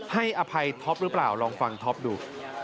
อภัยท็อปหรือเปล่าลองฟังท็อปดู